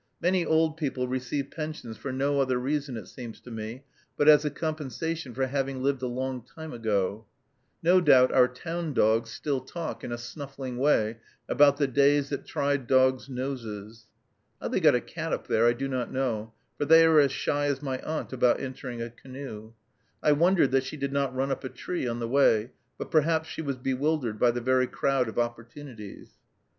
Many old people receive pensions for no other reason, it seems to me, but as a compensation for having lived a long time ago. No doubt our town dogs still talk, in a snuffling way, about the days that tried dogs' noses. How they got a cat up there I do not know, for they are as shy as my aunt about entering a canoe. I wondered that she did not run up a tree on the way; but perhaps she was bewildered by the very crowd of opportunities.